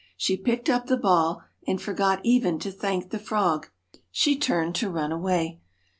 She picked up the ball, and forgot even to thank the frog. She turned to run away.